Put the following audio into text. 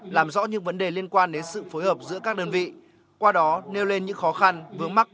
làm rõ những vấn đề liên quan đến sự phối hợp giữa các đơn vị qua đó nêu lên những khó khăn vướng mắt